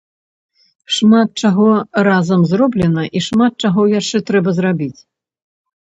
Шмат чаго разам зроблена і шмат чаго яшчэ трэба зрабіць.